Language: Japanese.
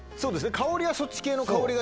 香りはそっち系の香りがして。